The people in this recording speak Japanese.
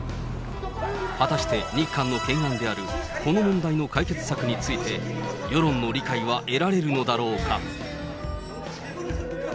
果たして日韓の懸案であるこの問題の解決策について、世論の理解は得られるのだろうか。